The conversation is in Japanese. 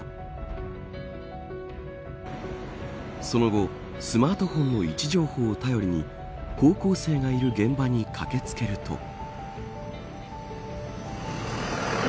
その後、スマートフォンの位置情報を頼りに高校生がいる現場に駆け付けると。